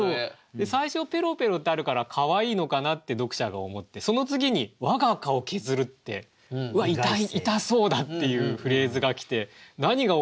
最初「ぺろぺろ」ってあるからかわいいのかなって読者が思ってその次に「我が顔削る」って痛そうだっていうフレーズが来て何が起こってるんだろう